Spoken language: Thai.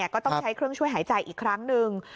ก็ต้องใช้เครื่องช่วยหายใจอีกครั้งหนึ่ง